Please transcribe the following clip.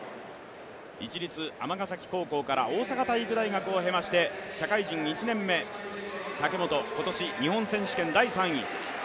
市立尼崎高校から大阪体育大学を経まして社会人１年目、武本、今年日本選手権第３位。